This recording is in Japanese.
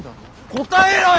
答えろよ！